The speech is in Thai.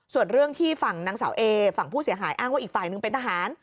ส่วนเรื่องที่ฝั่งนางสาวเอฝั่งผู้เสียหายอ้างว่าอีกฝ่ายหนึ่งเป็นทหาร